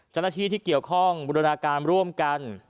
เจ้าหน้าที่ที่เกี่ยวข้องบูรณาการร่วมกัน